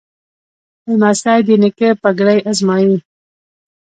لمسی د نیکه پګړۍ ازمایي.